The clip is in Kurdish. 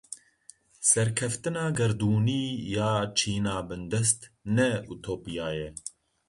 Serkeftina gerdûnî ya çîna bindest ne utopya ye.